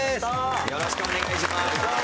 よろしくお願いします。